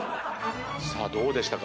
さあどうでしたか？